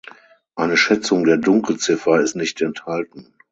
Eine Schätzung der Dunkelziffer ist nicht enthalten.